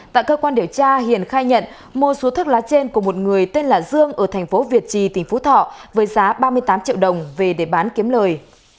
tại cơ quan điều tra hiền khai nhận mua số thuốc lá trên của một người tên là dương ở thành phố việt trì tỉnh phú thọ với giá ba mươi tám triệu đồng về để bán kiếm lời